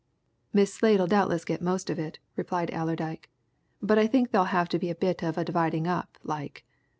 "Miss Slade'll doubtless get most of it," replied Allerdyke. "But I think there'll have to be a bit of a dividing up, like.